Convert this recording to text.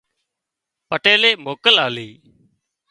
پٽيلي موڪل آلِي